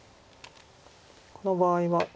この場合は。